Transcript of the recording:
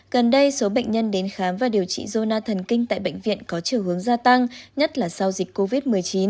gần đây số bệnh nhân đến khám và điều trị jona thần kinh tại bệnh viện có chiều hướng gia tăng nhất là sau dịch covid một mươi chín